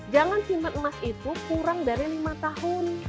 jangan simpan emas itu kurang dari lima tahun